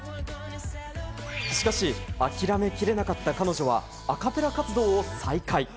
しかし、諦めきれなかった彼女はアカペラ活動を再開。